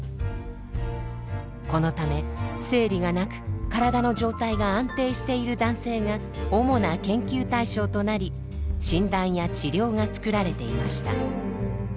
このため生理がなく体の状態が安定している男性が主な研究対象となり診断や治療が作られていました。